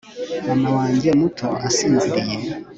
Mama wanjye muto asinziriye